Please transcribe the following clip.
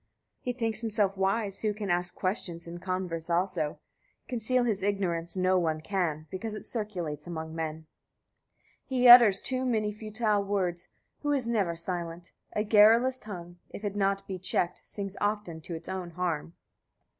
He thinks himself wise, who can ask questions and converse also; conceal his ignorance no one can, because it circulates among men. 29. He utters too many futile words who is never silent; a garrulous tongue, if it be not checked, sings often to its own harm. 30.